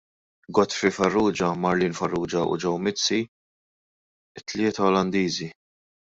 Godfrey Farrugia, Marlene Farrugia u Joe Mizzi, it-tlieta Olandiżi.